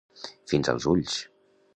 Fins als ulls.